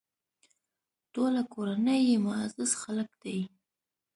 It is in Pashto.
ټوله کورنۍ یې معزز خلک دي.